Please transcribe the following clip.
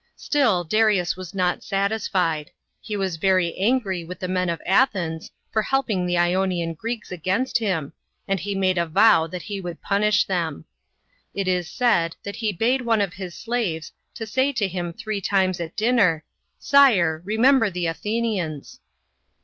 Still Darius was not satisfied. He was very angry with the men of Athens for helping the Ionian Greeks against him, and he made a vow that he would punish them. It is said, that he bade one of his slaves, to say to him three timefe at dinner, " Sire, remember the Athenians."